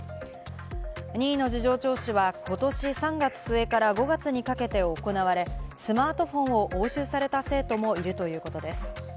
任意の事情聴取はことし３月末から５月にかけて行われ、スマートフォンを押収された生徒もいるということです。